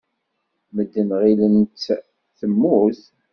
Medden ɣilen-tt temmut.